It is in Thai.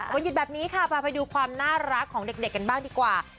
วันหยุดแบบนี้ค่ะพาไปดูความน่ารักของเด็กกันบ้างดีกว่า